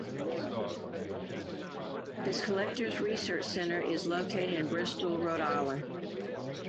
Its Collections Research Center is located in Bristol, Rhode Island.